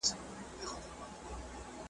مدرسې به وي تړلي ورلوېدلي وي قلفونه .